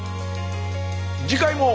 次回も。